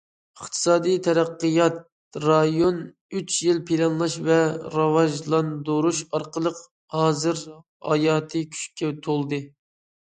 ئىقتىسادىي تەرەققىيات رايونى ئۈچ يىل پىلانلاش ۋە راۋاجلاندۇرۇش ئارقىلىق ھازىر ھاياتىي كۈچكە تولدى.